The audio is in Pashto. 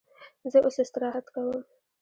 زه اوس استراحت کوم.